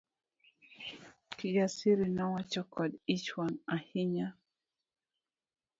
Kijasiri nowacho kod ich wang ahinya.